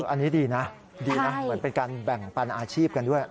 อันนี้ดีนะดีนะเหมือนเป็นการแบ่งปันอาชีพกันด้วย